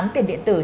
tiền điện tử